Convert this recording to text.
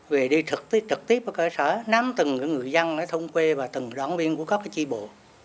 về đi trực tiếp trực tiếp ở cơ sở nắm từng người dân thôn quê và từng đón viên của các tri bộ